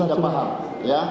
harus dikepaham ya